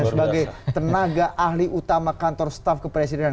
sebagai tenaga ahli utama kantor staf kepresidenan